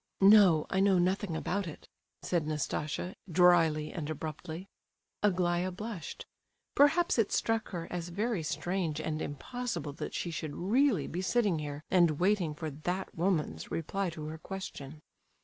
"No—I know nothing about it," said Nastasia, drily and abruptly. Aglaya blushed. Perhaps it struck her as very strange and impossible that she should really be sitting here and waiting for "that woman's" reply to her question.